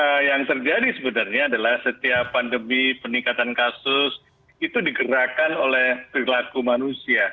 karena yang terjadi sebenarnya adalah setiap pandemi peningkatan kasus itu digerakkan oleh perilaku manusia